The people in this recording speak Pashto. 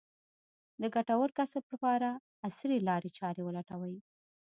د ګټور کسب لپاره عصري لارې چارې ولټوي.